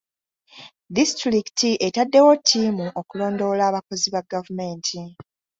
Disitulikiti etaddewo ttiimu okulondoola abakozi ba gavumenti.